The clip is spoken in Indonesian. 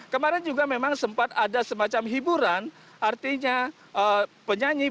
kemarin juga memang sempat ada semacam hiburan artinya penyanyi